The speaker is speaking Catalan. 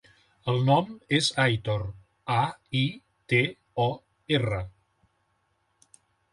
El nom és Aitor: a, i, te, o, erra.